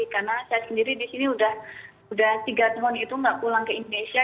karena saya sendiri di sini udah tiga tahun itu gak pulang ke indonesia